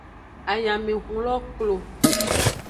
Ayamehun lo klo.